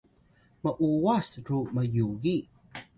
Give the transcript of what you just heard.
m’uwas ru myugi